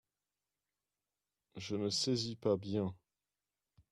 Je ne saisis pas bien.